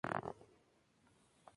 Actualmente juega en el Cruzeiro.